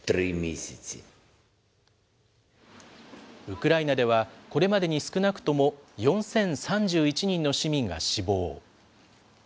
ウクライナでは、これまでに少なくとも４０３１人の市民が死亡。